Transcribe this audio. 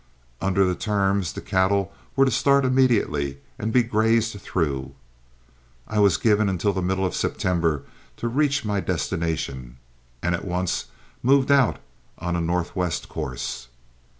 Under the terms, the cattle were to start immediately and be grazed through. I was given until the middle of September to reach my destination, and at once moved out on a northwest course.